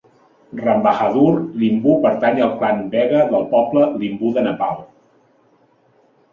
Rambahadur Limbu pertany al Clan Begha del poble Limbu de Nepal.